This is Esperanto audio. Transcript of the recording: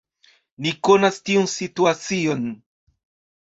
Ni konas tiun situacion.